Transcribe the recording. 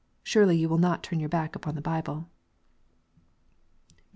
Surely you will not turn your back upon the Bible.